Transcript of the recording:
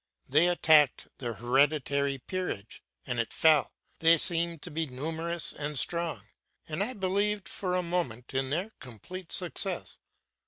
They attacked the hereditary peerage, and it fell; they seemed to be numerous and strong, and I believed for a moment in their complete success.